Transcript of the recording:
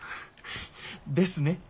ですね。